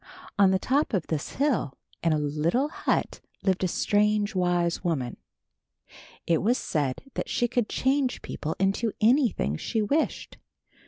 On the top of this hill in a little hut lived a strange, wise woman. It was said that she could change people into anything she wished.